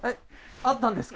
あったんですか？